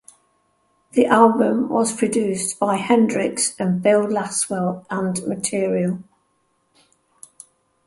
The album was produced by Hendryx and Bill Laswell and Material.